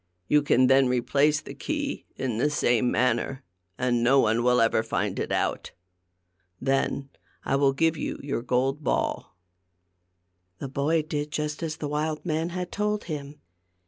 You can then replace the key in the same manner, and no one will ever find it out. Then I will give you your gold ball." The boy did just as the wild man had told him.